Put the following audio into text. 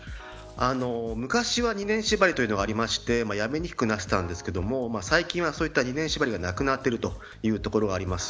昔は２年縛りというのがありましてやめにくくなってたんですが最近はそうした２年縛りがなくなっているというところがあります。